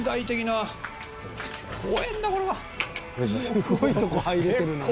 「すごいとこ入れてるな昔」